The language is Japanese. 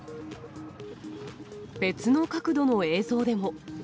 別の角度の映像でも。